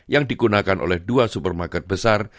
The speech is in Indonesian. yang digunakan oleh dua supermarket besar